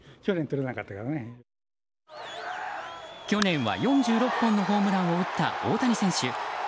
去年は４６本のホームランを打った大谷選手。